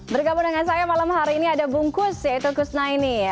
bergabung dengan saya malam hari ini ada bungkus yaitu kusnaini